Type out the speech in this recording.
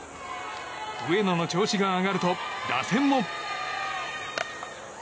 上野の調子が上がると打線も。